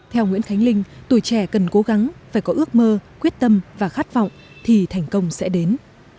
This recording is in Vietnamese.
theo nguyễn khánh linh tuổi trẻ cần cố gắng phải có ước mơ quyết tâm và khát vọng thì thành công sẽ đến